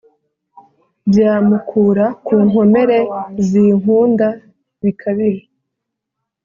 byamukura ku nkomere zinkunda bikabije.